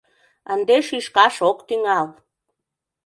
— Ынде шӱшкаш ок тӱҥал!